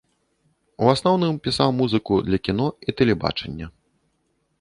У асноўным пісаў музыку для кіно і тэлебачання.